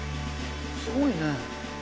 すごいね。